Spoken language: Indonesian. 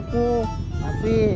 kenapa bisa kesiangan